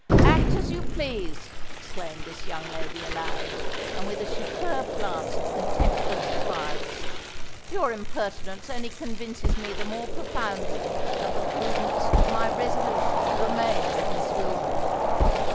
"Act as you please," exclaimed this young lady aloud, and with a superb glance of contemptuous defiance. "Your impertinence only convinces me the more profoundly of the prudence of my resolution to remain with Miss Wilmot."